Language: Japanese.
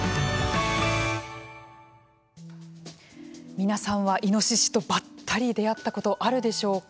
皆さんはイノシシとばったり出会ったことあるでしょうか。